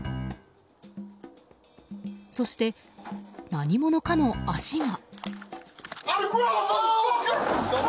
そして、何者かの足が。